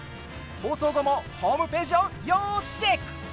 放送後もホームページを要チェック！